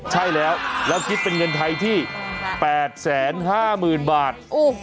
ใช่แล้วแล้วคิดเป็นเงินไทยที่๘๕๐๐๐บาท